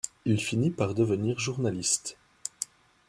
Il finit par devenir journaliste.